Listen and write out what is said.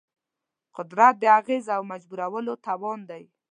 قدرت د اغېز او مجبورولو توان دی.